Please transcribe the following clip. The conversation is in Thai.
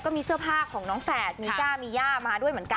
ของน้องแฝดมีก้ามีย่ามาด้วยเหมือนกัน